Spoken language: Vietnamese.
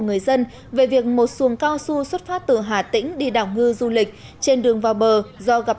người dân về việc một xuồng cao su xuất phát từ hà tĩnh đi đảo ngư du lịch trên đường vào bờ do gặp